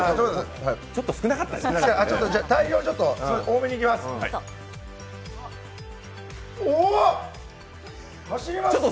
ちょっと少なかったかも。